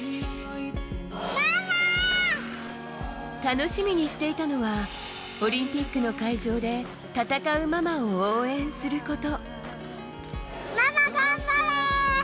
楽しみにしていたのはオリンピックの会場で戦うママを応援すること。